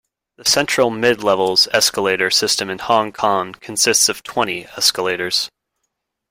The Central-Midlevels escalator system in Hong Kong consists of twenty escalators.